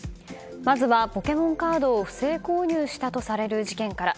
まずはポケモンカードを不正購入したとされる事件から。